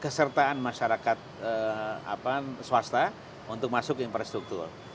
kesertaan masyarakat swasta untuk masuk infrastruktur